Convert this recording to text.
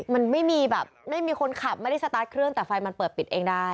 มันไม่มีแบบไม่มีคนขับไม่ได้สตาร์ทเครื่องแต่ไฟมันเปิดปิดเองได้